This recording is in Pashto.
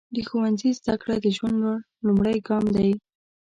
د ښوونځي زده کړه د ژوند لومړی ګام دی.